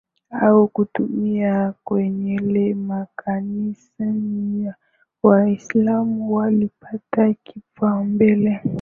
au kutumia kengele makanisani Waislamu walipata kipaumbele